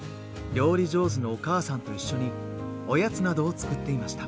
料理上手のお母さんと一緒におやつなどを作っていました。